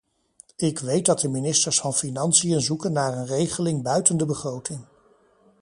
Ik weet dat de ministers van financiën zoeken naar een regeling buiten de begroting.